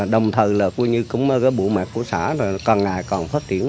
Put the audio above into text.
đồng thời cũng bộ mạc của xã còn ngày còn phát triển